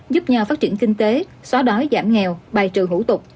giúp nhau phát triển kinh tế xóa đói giảm nghèo bài trừ hủ tục